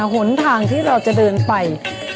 หนทางที่เราจะเดินไป